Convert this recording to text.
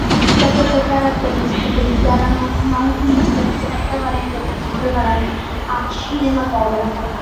Queste sue caratteristiche dichiarano una utilizzazione prevalente a cinematografo.